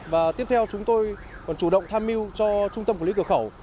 và tiếp theo chúng tôi còn chủ động tham mưu cho trung tâm quản lý cửa khẩu